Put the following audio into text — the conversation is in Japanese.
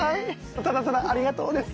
ただただありがとうです。